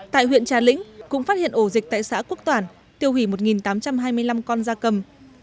tại huyện trà lĩnh cũng phát hiện ổ dịch tại xã quốc toản tiêu hủy một tám trăm hai mươi năm con da cầm